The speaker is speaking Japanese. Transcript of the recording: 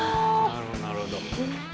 なるほどなるほど。